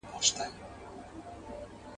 • په سترگو گوري، په زوى لوړي.